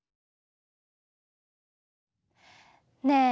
ねえ！